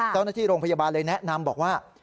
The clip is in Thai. เจ้าหน้าที่โรงพยาบาลเลยแนะนำบอกว่า